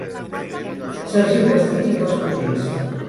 Sargiu vestits a cals cosins.